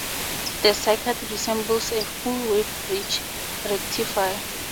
The circuit resembles a full-wave bridge rectifier.